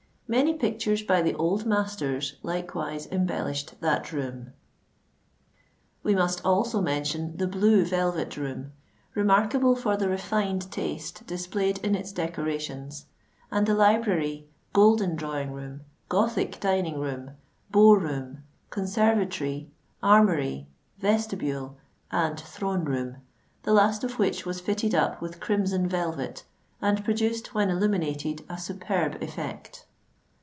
Many pictures by the old masters likewise embellished that room. We must also mention the Blue Velvet Room, remarkable for the refined taste displayed in its decorations,—and the Library, Golden Drawing room, Gothic Dining room, Bow Room, Conservatory, Armoury, Vestibule, and Throne Room, the last of which was fitted up with crimson velvet, and produced, when illuminated, a superb effect.